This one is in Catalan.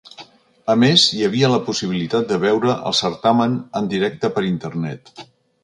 A més, hi havia la possibilitat de veure el certamen en directe per internet.